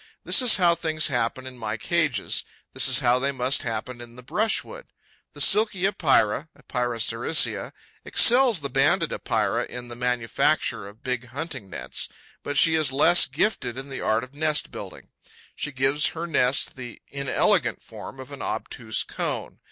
This is how things happen in my cages; this is how they must happen in the brushwood. The Silky Epeira (Epeira sericea, OLIV.) excels the Banded Epeira in the manufacture of big hunting nets, but she is less gifted in the art of nest building. She gives her nest the inelegant form of an obtuse cone.